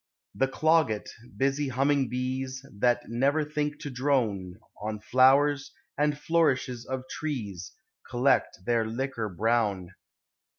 The cloggit, busy humming bees, That never think to drone. On flowers and flourishes of trees, Collect their liquor brown.